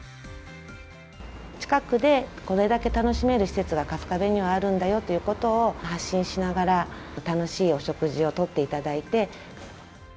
近くでこれだけ楽しめる施設が春日部にはあるんだよということを発信しながら、楽しいお食事をとっていただいて。